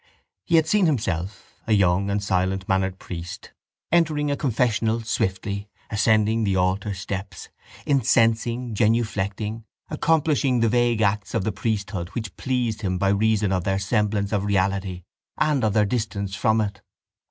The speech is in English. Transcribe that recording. He had seen himself, a young and silentmannered priest, entering a confessional swiftly, ascending the altarsteps, incensing, genuflecting, accomplishing the vague acts of the priesthood which pleased him by reason of their semblance of reality and of their distance from it.